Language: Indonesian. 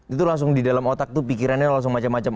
itu langsung di dalam otak tuh pikirannya langsung macam macam